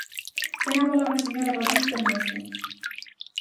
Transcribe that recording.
Ten a palabra a señora Rodís Fermoso.